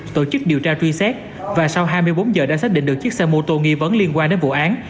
tổ chức điều tra truy xét và sau hai mươi bốn giờ đã xác định được chiếc xe mô tô nghi vấn liên quan đến vụ án